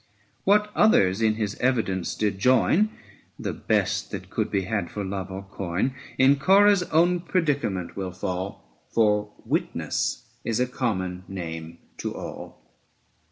What others in his evidence did join, The best that could be had for love or coin, In Corah's own predicament will fall, 680 For Witness is a common name to all.